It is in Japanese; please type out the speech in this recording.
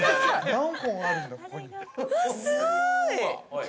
◆何本あるんだ、ここに。